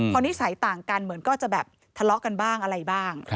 พอนิสัยต่างกันเหมือนก็จะแบบทะเลาะกันบ้างอะไรบ้าง